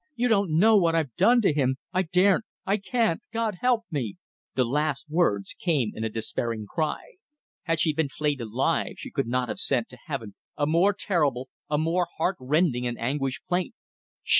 . You don't know what I've done to him. ... I daren't! ... I can't! ... God help me!" The last words came in a despairing cry. Had she been flayed alive she could not have sent to heaven a more terrible, a more heartrending and anguished plaint.